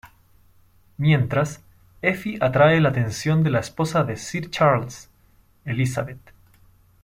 Mientras, Effie atrae la atención de la esposa de Sir Charles, Elizabeth.